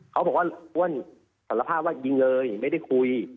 เขาบอกว่าอ้วนสารภาพว่ายิงเลยไม่ได้คุย